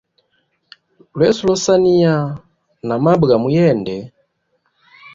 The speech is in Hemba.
Lweso losaniya na mabwe ga muyende.